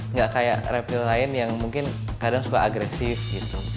nggak kayak reptil lain yang mungkin kadang suka agresif gitu